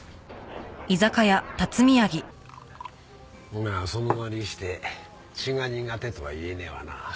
まあそのなりして血が苦手とは言えねえわな。